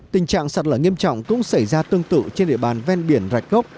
tình trạng sạt lở nghiêm trọng cũng xảy ra tương tự trên địa bàn ven biển rạch gốc